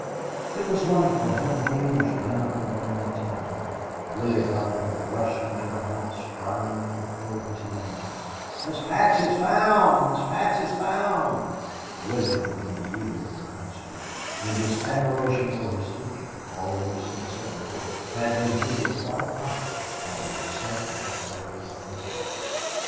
It was wonderful how the news ran up and down the town. Willie Butler rushed into the house crying at the full of his lungs, "Miss Patsy's found. Miss Patsy's found." Willie had been a year in the high school, and his admiration for his teacher, always considerable, had been heated white hot by the excitement of her adventures.